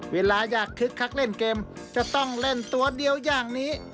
เวลายากคึกคักเล่นเกมจะต้องเล่นตัวเดียวอย่างนี้